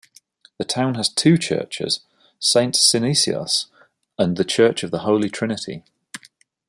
The town has two churches: Saint Synesios and the church of the Holy Trinity.